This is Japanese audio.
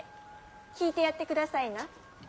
聞いてやってくださいな。